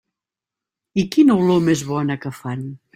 I quina olor més bona que fan!